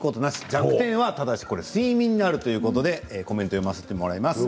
弱点は睡眠にあるということでコメントを読ませていただきます。